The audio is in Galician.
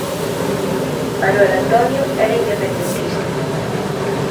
Manuel Antonio era independentista.